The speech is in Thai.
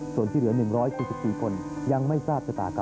ส่วนที่เหลือ๑๗๔คนยังไม่ทราบชะตากรรม